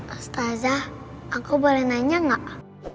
astazah aku boleh nanya enggak